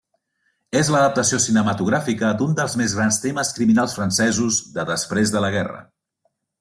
És l'adaptació cinematogràfica d'un dels més grans temes criminals francesos de després de la guerra.